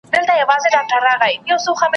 ته به مي پر قبر د جنډۍ په څېر ولاړه یې ,